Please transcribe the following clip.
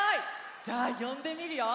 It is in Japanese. じゃあよんでみるよ！